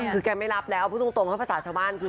คือแกไม่รับแล้วพูดตรงถ้าภาษาชาวบ้านคือ